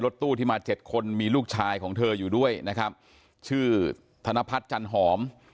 ตู้ที่มาเจ็ดคนมีลูกชายของเธออยู่ด้วยนะครับชื่อธนพัฒน์จันหอม